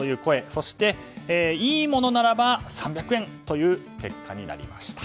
そしていいものならば３００円という結果になりました。